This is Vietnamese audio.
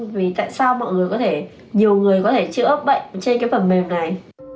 vì tại sao mọi người có thể nhiều người có thể chữa bệnh trên cái phần mềm này